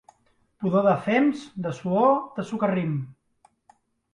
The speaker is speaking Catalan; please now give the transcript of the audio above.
Pudor de fems, de suor, de socarrim.